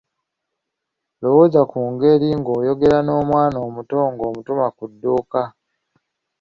Lowooza ku ngeri ng’oyogera n’omwana omuto ng’omutuma ku dduuka.